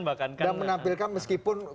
bahkan dan menampilkan meskipun